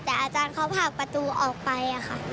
แต่อาจารย์เขาผลักประตูออกไปค่ะ